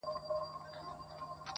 ته ګرځې لالهانده پسي شیخه ما لیدلي,